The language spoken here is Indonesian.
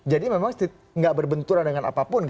jadi memang tidak berbenturan dengan apapun